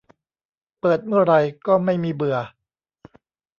เปิดเมื่อไหร่ก็ไม่มีเบื่อ